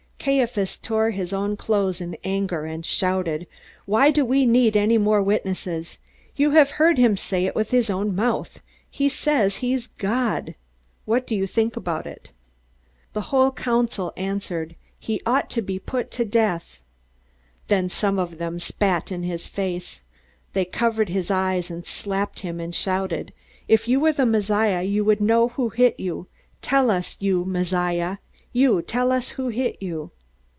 Caiaphas tore his own clothes in anger, and shouted: "Why do we need any more witnesses? You have heard him say it with his own mouth. He says he's God! What do you think about it?" And the whole council answered, "He ought to be put to death." Then some of them spat in his face. They covered his eyes, and slapped him, and shouted: "If you were the Messiah, you would know who hit you! Tell us, you Messiah you tell us who hit you!"